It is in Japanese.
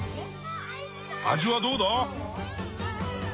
味はどうだ？